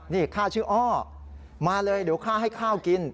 นี่ข้าชื่ออ้อมาเลยเดี๋ยวข้าให้ข้าวกิน